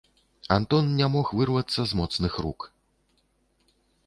Антон не мог вырвацца з моцных рук.